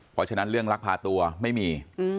เพราะฉะนั้นเรื่องลักพาตัวไม่มี